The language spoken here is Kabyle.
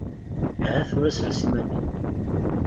Aha tura sres iman-im!